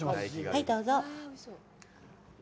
はい、どうぞ。